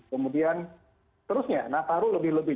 kemudian seterusnya nataru lebih lebih